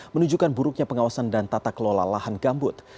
menunjukkan buruknya pengawasan dan tata kelola lahan gambut